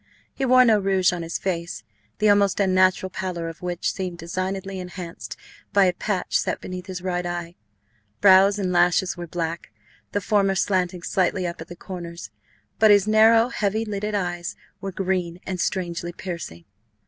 He wore no rouge on his face, the almost unnatural pallor of which seemed designedly enhanced by a patch set beneath his right eye. Brows and lashes were black, the former slanting slightly up at the corners, but his narrow, heavy lidded eyes were green and strangely piercing.